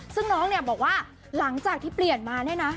ซึ่งน้องเนี่ยบอกว่าหลังจากที่เปลี่ยนมาเนี่ยนะ